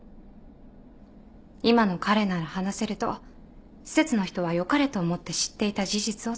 今の彼なら話せると施設の人はよかれと思って知っていた事実を伝えた。